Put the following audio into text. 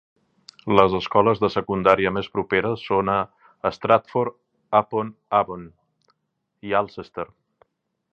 Les escoles de secundària més properes són a Stratford-upon-Avon i Alcester.